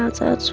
untuk g monster